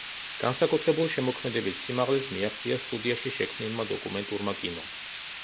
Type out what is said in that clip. განსაკუთრებულ შემოქმედებით სიმაღლეს მიაღწია სტუდიაში შექმნილმა დოკუმენტურმა კინომ.